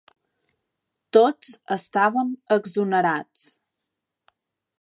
Tots estaven exonerats.